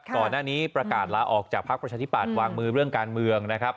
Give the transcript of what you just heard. ก่อนหน้านี้ประกาศลาออกจากภักดิ์ประชาธิปัตย์วางมือเรื่องการเมืองนะครับ